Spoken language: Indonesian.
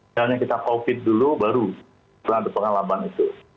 sekarang kita covid dulu baru setelah depan laban itu